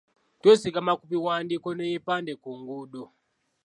Twesigama ku biwandiiko n’ebipande ku nguudo.